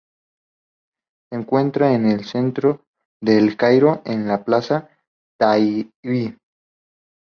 Se encuentra en el centro de El Cairo, en la plaza Tahrir.